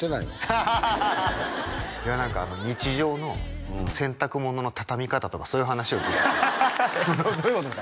ハハハハいや何か日常の洗濯物の畳み方とかそういう話をちょっとどういうことですか？